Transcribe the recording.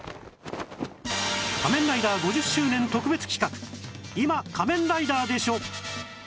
『仮面ライダー』５０周年特別企画「今仮面ライダーでしょ！」